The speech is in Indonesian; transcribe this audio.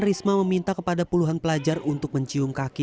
risma meminta kepada puluhan pelajar untuk mencium kaki